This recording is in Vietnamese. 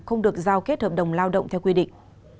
không được giao kết hợp đồng lao động theo quy định